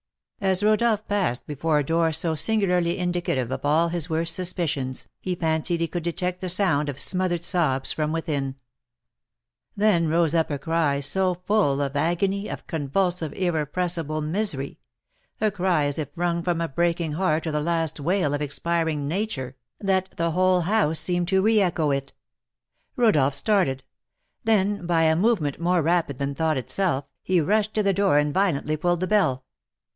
As Rodolph passed before a door so singularly indicative of all his worst suspicions, he fancied he could detect the sound of smothered sobs from within. Then rose up a cry so full of agony, of convulsive, irrepressible misery, a cry as if wrung from a breaking heart or the last wail of expiring nature, that the whole house seemed to reëcho it. Rodolph started; then, by a movement more rapid than thought itself, he rushed to the door and violently pulled the bell.